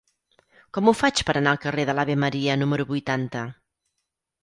Com ho faig per anar al carrer de l'Ave Maria número vuitanta?